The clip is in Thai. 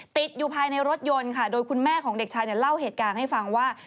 ติดอยู่ภายในรถยนต์ค่ะโดยคุณแม่ของเด็กชายเนี่ยเล่าเหตุการณ์ให้ฟังว่า